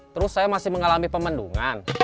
terus saya masih mengalami pemendungan